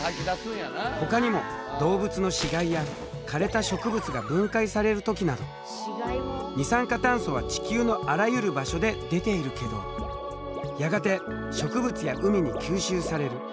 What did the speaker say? ほかにも動物の死骸やかれた植物が分解される時など二酸化炭素は地球のあらゆる場所で出ているけどやがて植物や海に吸収される。